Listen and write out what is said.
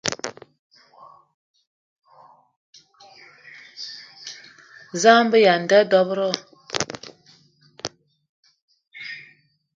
Za a be aya a nda dob-ro?